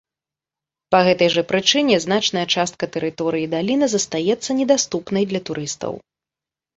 Па гэтай жа прычыне значная частка тэрыторыі даліны застаецца недаступнай для турыстаў.